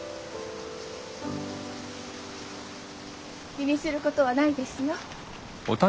気にすることはないですよ。